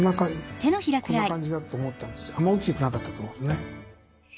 あまり大きくなかったと思うんですね。